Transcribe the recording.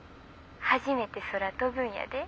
初めて空飛ぶんやで。